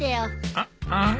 あっあん？